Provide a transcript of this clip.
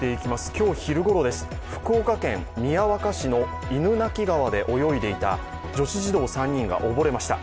今日昼ごろです、福岡県宮若市の犬鳴川で泳いでいた女子児童３人が溺れました。